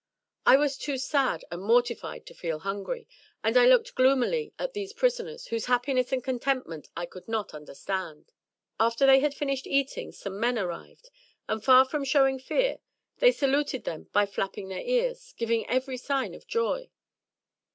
I was too sad and mortified to feed hungry, and I looked gloomily at these prisoners, whose happiness and contentment I could not understand. After they had finished eating some men arrived, and far from showing fear, they saluted them by flapping their ears — giving every sign of joy.